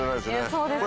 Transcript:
そうですね。